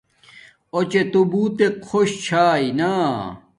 اݸ چے تو بوتک خوش چھاݵ نا